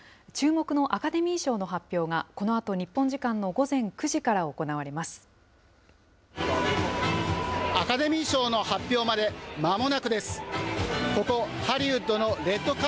注目のアカデミー賞の発表が、このあと日本時間の午前９時から行アカデミー賞の発表まで、ま